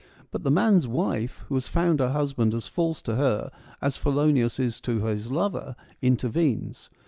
But the man's wife, who has found her husband as false to her as Philoneos is to his lover, intervenes.